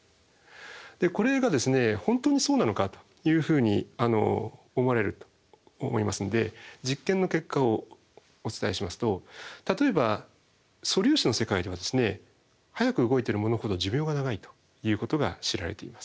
これが本当にそうなのかというふうに思われると思いますんで実験の結果をお伝えしますと例えば素粒子の世界では速く動いてるものほど寿命が長いということが知られています。